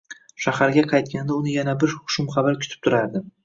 Shaharga qaytganida, uni yana bir shumxabar kutib turardi